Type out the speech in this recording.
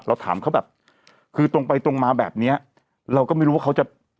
ถามเขาแบบคือตรงไปตรงมาแบบเนี้ยเราก็ไม่รู้ว่าเขาจะ